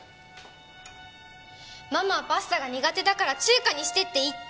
ママはパスタが苦手だから中華にしてって言ったじゃない！